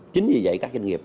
chính vì vậy các doanh nghiệp